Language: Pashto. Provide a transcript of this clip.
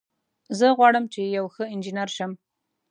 زه غواړم چې یو ښه انجینر شم